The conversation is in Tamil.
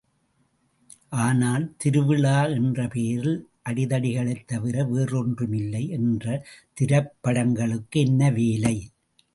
ஆனால், திருவிழா என்ற பெயரில் அடிதடி களைத் தவிர வேறென்றும் இல்லை... என்ற திரைப்படங்களுக்கு என்ன வேலை!